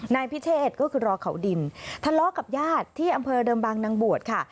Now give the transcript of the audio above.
นายพิเชษก็คือรอเขาดินทะเลาะกับญาติที่อำเภอเดิมบางนางบวชค่ะ